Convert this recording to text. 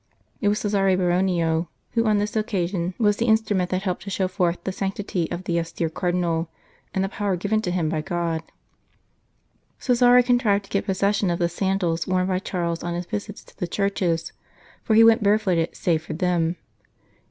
It was Cesare Baronio who on this occasion 135 St. Charles Borromeo was the instrument that helped to show forth the sanctity of the austere Cardinal, and the power given to him by God. Cesare contrived to get possession of the sandals worn by Charles on his visits to the churches, for he went barefooted save for them.